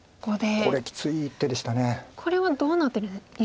これはどうなっているんでしょう。